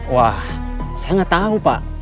wah saya nggak tahu pak